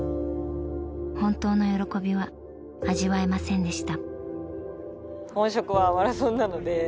本当の喜びは味わえませんでした。